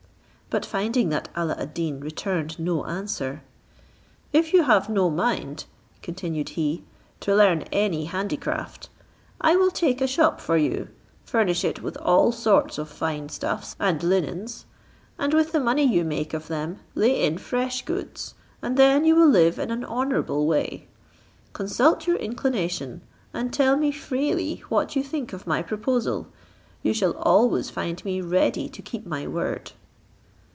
But finding that Alla ad Deen returned no answer, "If you have no mind," continued he, "to learn any handicraft, I will take a shop for you, furnish it with all sorts of fine stuffs and linens; and with the money you make of them lay in fresh goods, and then you will live in an honourable way. Consult your inclination, and tell me freely what you think of my proposal: you shall always find me ready to keep my word."